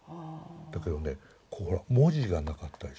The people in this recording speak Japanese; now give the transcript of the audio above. だけどねここほら文字がなかったでしょ。